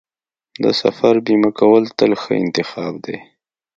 د سفر بیمه کول تل ښه انتخاب دی.